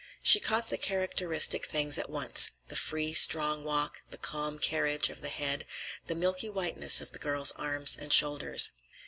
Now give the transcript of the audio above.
She caught the characteristic things at once: the free, strong walk, the calm carriage of the head, the milky whiteness of the girl's arms and shoulders.